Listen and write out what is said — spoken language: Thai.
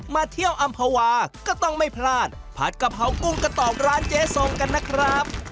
มาเที่ยวอำภาวาก็ต้องไม่พลาดผัดกะเพรากุ้งกระตอบร้านเจ๊ทรงกันนะครับ